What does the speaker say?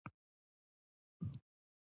ایا ماهي خورئ؟